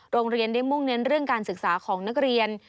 โรงเรียนได้มุ่งเน้นเรื่องการศึกษาของนักเรียน